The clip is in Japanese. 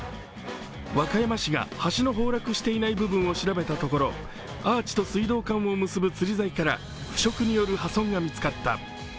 和歌山市が橋の崩落していない部分を調べたところ、アーチと水道管を結ぶつり材から腐食による破損が見つかった。